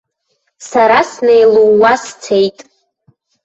Сара снеилууа сцеит.